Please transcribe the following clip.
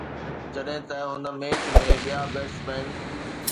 جڏهن ته هن ميچ ۾ ٻيا بيٽسمين